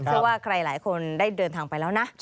เชื่อว่าใครหลายคนได้เดินทางไปแล้วนะ